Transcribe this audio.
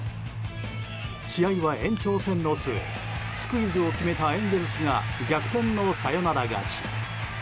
試合は延長戦の末スクイズを決めたエンゼルスが逆転のサヨナラ勝ち。